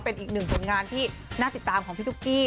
เป็นอีก๑โงงานที่น่าติดตามของพี่ทุกกี้